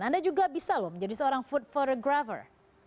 anda juga bisa loh menjadi seorang food photographer